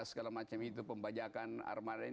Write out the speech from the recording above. segala macam itu pembajakan armada